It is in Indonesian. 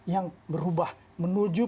yang berubah menuju